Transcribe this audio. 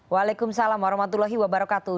waalaikumsalam warahmatullahi wabarakatuh